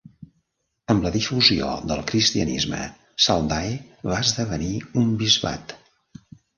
Amb la difusió del cristianisme, Saldae va esdevenir un bisbat.